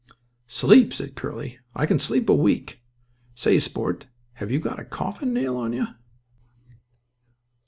"Sleep!" said Curly. "I can sleep a week. Say, sport, have you got a coffin nail on you?"